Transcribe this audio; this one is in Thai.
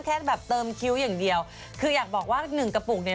แค่แบบเติมคิ้วอย่างเดียวคืออยากบอกว่าหนึ่งกระปุกเนี่ย